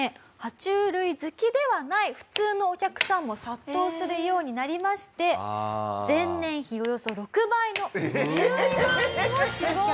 爬虫類好きではない普通のお客さんも殺到するようになりまして前年比およそ６倍の１２万人を集客。